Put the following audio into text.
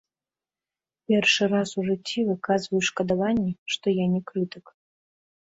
Першы раз у жыцці выказваю шкадаванне, што я не крытык.